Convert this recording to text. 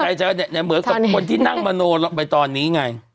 ธนายเดช้าเหมือนกับคนที่นั่งมโนไปตอนนี้ไง